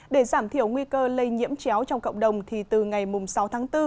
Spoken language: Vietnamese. để giảm thiểu nguy cơ lây nhiễm chéo trong cộng đồng thì từ ngày sáu tháng bốn